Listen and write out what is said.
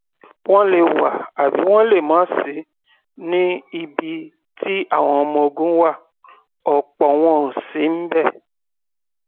They may or may not be located on a military base; many are not.